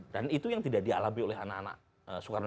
dan itu yang tidak dialami oleh anak anak soekarno